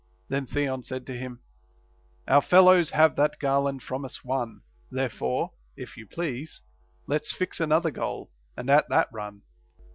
Then Theon said to him, Our fellows have that garland from us won; therefore, if you please, Let's fix another goal, and at that run.